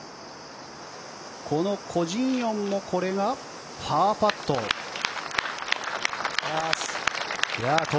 このコ・ジンヨンもこれがパーパット。